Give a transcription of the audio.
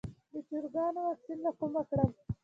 د چرګانو واکسین له کومه کړم؟